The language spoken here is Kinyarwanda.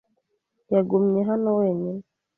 Yagumye hano wenyine.